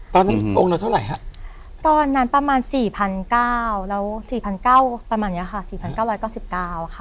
ตอนนั้นองค์เราเท่าไหร่ฮะตอนนั้นประมาณสี่พันเก้าแล้วสี่พันเก้าประมาณเนี้ยค่ะสี่พันเก้าร้อยเก้าสิบเก้าค่ะ